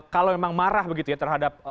kalau memang marah begitu ya terhadap